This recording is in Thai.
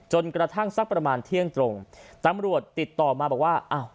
กระทั่งสักประมาณเที่ยงตรงตำรวจติดต่อมาบอกว่าอ้าว